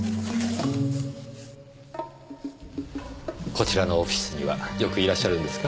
こちらのオフィスにはよくいらっしゃるんですか？